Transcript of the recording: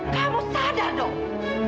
kamu sadar ma